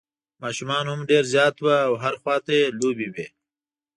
ماشومان هم ډېر زیات وو او هر خوا ته یې لوبې وې.